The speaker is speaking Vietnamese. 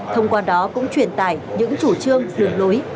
thông qua đó cũng truyền tải những chủ trương đường lối